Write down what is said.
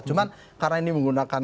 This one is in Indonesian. cuma karena ini menggunakan